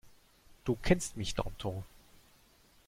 Du kennst mich, Danton.